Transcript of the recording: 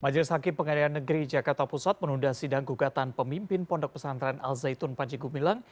majelis hakim pengadilan negeri jakarta pusat menunda sidang gugatan pemimpin pondok pesantren al zaitun panji gumilang